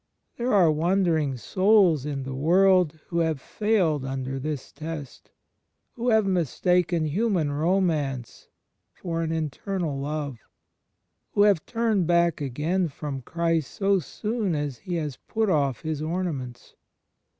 There are wandering souls in the world who have failed imder this test; who have mistaken human romance for an internal love, who have turned back again from Christ so soon as He has put off His ornaments.